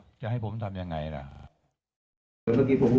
เมื่อเสี่ยงภัยเดี๋ยวเรือลำที่๒มาแล้วก็ให้กันไป